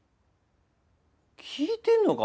聞いてんのか？